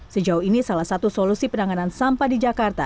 sejauh ini salah satu solusi penanganan sampah di jakarta